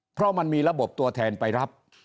เพราะมันมีระบบตัวแทนไปรับ